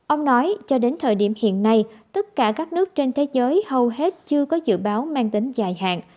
ông nói cho đến thời điểm hiện nay tất cả các nước trên thế giới hầu hết chưa có dự báo mang tính dài hạn